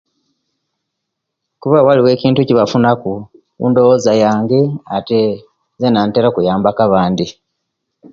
Kuba waliwo enkintu ekibafunaku kudowoza yange ate zena ntera okuyamba ku abandi.